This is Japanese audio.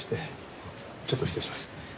ちょっと失礼します。